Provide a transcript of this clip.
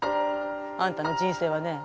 あんたの人生はね